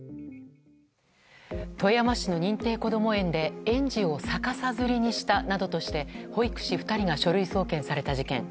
富山市の認定こども園で園児を逆さづりにしたなどとして保育士２人が書類送検された事件。